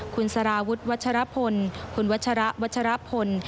คุณสารวุฒิญแงควัชรพลคุณวัชรแนนะกว่าคุณวัชรพล